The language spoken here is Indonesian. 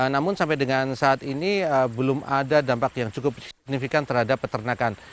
namun sampai dengan saat ini belum ada dampak yang cukup signifikan terhadap peternakan